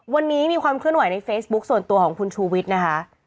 วันนี้มีความเคลื่อนไหวในเฟซบุ๊คส่วนตัวของคุณชูวิทย์นะคะ